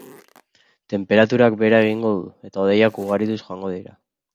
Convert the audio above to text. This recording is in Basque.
Tenperaturak behera egingo du eta hodeiak ugarituz joango dira.